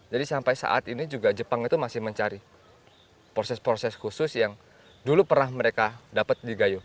jadi sampai saat ini jepang itu masih mencari proses proses khusus yang dulu pernah mereka dapat di gayo